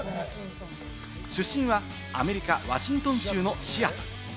出身はアメリカ・ワシントン州のシアトル。